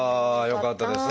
よかった。